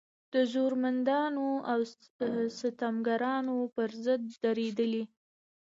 د زورمندانو او ستمګرانو په ضد درېدلې.